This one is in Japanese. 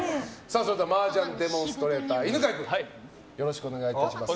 では、麻雀デモンストレーターの犬飼君、よろしくお願いします。